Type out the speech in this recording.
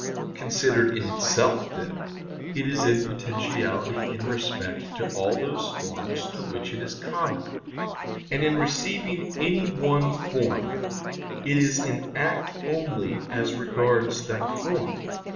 Considered in itself, then, it is in potentiality in respect to all those forms to which it is common, and in receiving any one form it is in act only as regards that form.